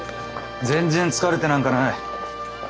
全然疲れてなんかない。